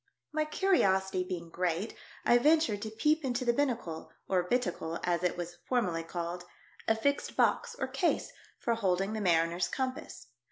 I 53 My curiosity being great I ventured to peep into the binnacle, or "bittacle" as it was formerly called, a fixed box or case for holding the mariner's compass.